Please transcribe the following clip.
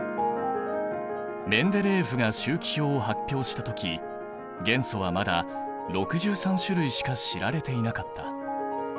メンデレーエフが周期表を発表した時元素はまだ６３種類しか知られていなかった。